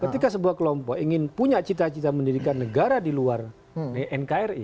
ketika sebuah kelompok ingin punya cita cita mendirikan negara di luar nkri